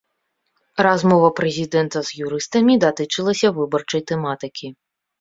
Размова прэзідэнта з юрыстамі датычылася выбарчай тэматыкі.